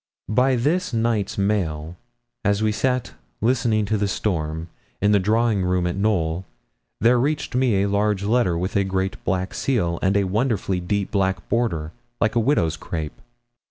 By this night's mail, as we sat listening to the storm, in the drawing room at Knowl, there reached me a large letter with a great black seal, and a wonderfully deep black border, like a widow's crape.